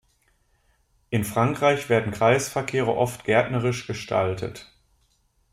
In Frankreich werden Kreisverkehre oft gärtnerisch gestaltet.